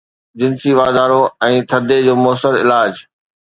جنسي واڌارو ۽ ٿڌي جو مؤثر علاج